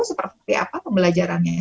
seperti apa pembelajarannya